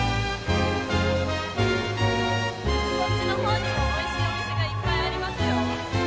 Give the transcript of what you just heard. こっちの方にも美味しいお店がいっぱいありますよ。